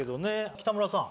北村さん